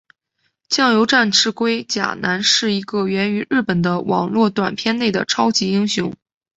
酱油战士龟甲男是一个源于日本的网络短片内的超级英雄。